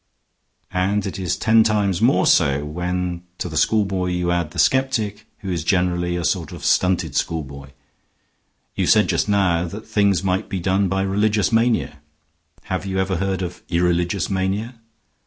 And it is ten times more so when to the schoolboy you add the skeptic, who is generally a sort of stunted schoolboy. You said just now that things might be done by religious mania. Have you ever heard of irreligious mania?